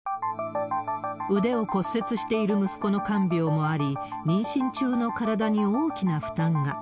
腕を骨折している息子の看病もあり、妊娠中の体に大きな負担が。